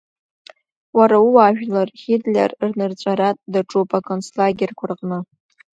Уара ууаажәлар Ҳитлер рнырҵәара даҿуп аконцлагерқәа рҟны.